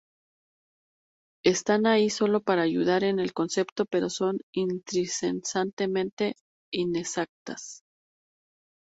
Están ahí solo para ayudar en el concepto, pero son intrínsecamente inexactas.